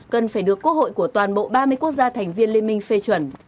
cần phải được quốc hội của toàn bộ ba mươi quốc gia thành viên liên minh phê chuẩn